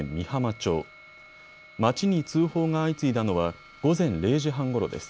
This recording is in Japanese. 町に通報が相次いだのは午前０時半ごろです。